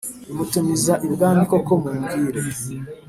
rimutumiza ibwami koko mumbwire